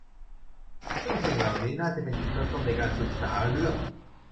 ซึ่งสิ่งเหล่านี้น่าจะเป็นจุดเริ่มต้นในการศึกษาเรื่อง